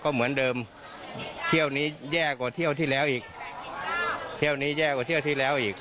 เหมือนเดิมเที่ยวนี้แย่กว่าเที่ยวที่แล้วอีก